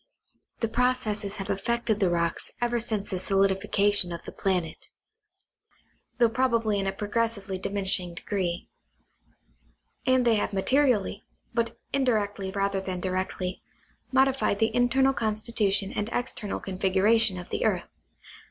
The processes have affected the rocks ever since the solidification of the planet, though prob ably in a progressively diminishing degree ; and they have ma terially (but indirectly rather than directly) modified the internal constitution and external configuration of the earth.